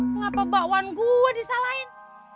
kenapa bakwan gue disalahin